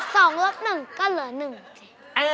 สองล็อกหนึ่งก็เหลือหนึ่งสิ